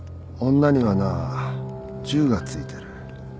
女にはな十が付いてる